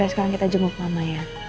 nah sekarang kita jemput mama ya